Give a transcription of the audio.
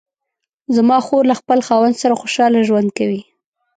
زما خور له خپل خاوند سره خوشحاله ژوند کوي